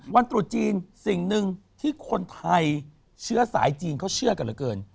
ตรุษจีนสิ่งหนึ่งที่คนไทยเชื้อสายจีนเขาเชื่อกันเหลือเกิน